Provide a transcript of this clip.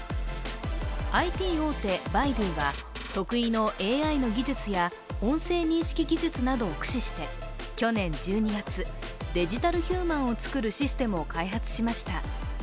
ＩＴ大手・バイドゥは得意のＡＩの技術や音声認識技術などを駆使して去年１２月、デジタルヒューマンを作るシステムを開発しました。